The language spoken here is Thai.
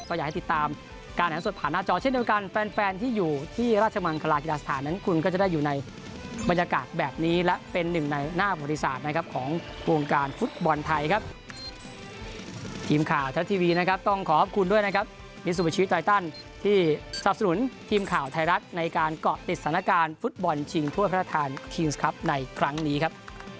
ขอขอบคุณด้วยนะครับมิสุปชีวิตไตล์ตันที่สาธารณ์สนุนทีมข่าวไทยรัฐในการเกาะติดสถานการณ์ฟุตบอลจริงทั่วพระทธานคิงส์ครับในครั้งนี้ครับ